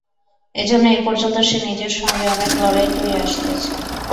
এজন্য এ পর্যন্ত সে নিজের সঙ্গে অনেক লড়াই করিয়া আসিতেছে।